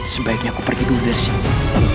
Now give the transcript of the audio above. sebaiknya aku pergi dulu dari sini